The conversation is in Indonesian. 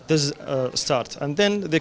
ini adalah mulutnya